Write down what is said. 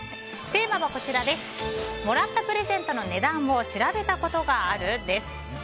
テーマは、もらったプレゼントの値段を調べたことがある？です。